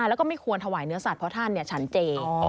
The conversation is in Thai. แล้วก็ไม่ควรถวายเนื้อสัตว์เพราะท่านฉันเจ